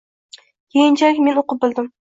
Keyinchalik men o‘qib bildim.